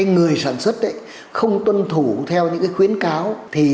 người sản xuất không tuân thủ theo những khuyến cáo